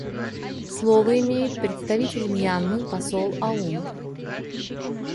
Слово имеет представитель Мьянмы посол Аунг.